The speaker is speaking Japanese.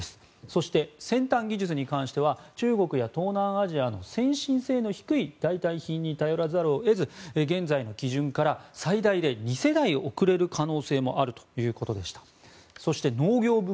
そして、先端技術に関しては中国や東南アジアの先進性の低い代替品に頼らざるを得ず現在の基準から最大で２世代遅れる可能性もあるということでした。